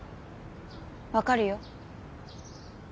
わかるよ。